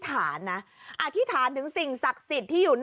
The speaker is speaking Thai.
การนอนไม่จำเป็นต้องมีอะไรกัน